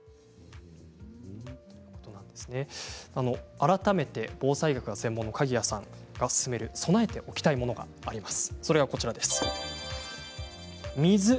改めて防災が専門の鍵屋さんが勧める備えておきたいものがあります。